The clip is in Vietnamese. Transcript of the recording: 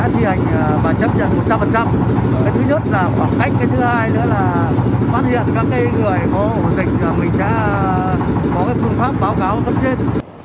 thứ nhất là khoảng cách thứ hai là phát hiện các người có dịch và mình sẽ có phương pháp báo cáo phân trên